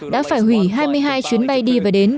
đã phải hủy hai mươi hai chuyến bay đi và đến